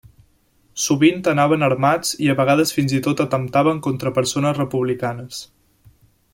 Sovint anaven armats i a vegades fins i tot atemptaven contra persones republicanes.